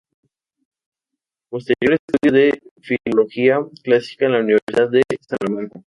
Posterior estudio de Filología clásica en la Universidad de Salamanca.